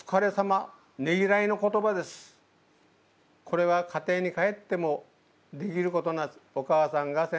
これは家庭に帰ってもできること。